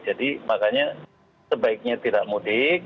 jadi makanya sebaiknya tidak mudik